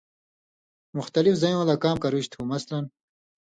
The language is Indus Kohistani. مختلف زیؤں لا کام کرُژ تُھو۔ مثلًا